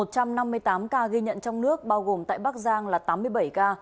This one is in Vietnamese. một trăm năm mươi tám ca ghi nhận trong nước bao gồm tại bắc giang là tám mươi bảy ca